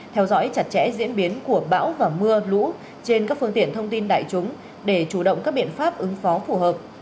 theo dõi chặt chẽ diễn biến của bão và mưa lũ trên các phương tiện thông tin đại chúng để chủ động các biện pháp ứng phó phù hợp